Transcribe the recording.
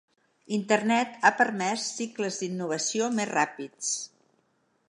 Internet ha permès cicles d'innovació més ràpids.